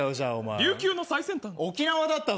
琉球の最先端。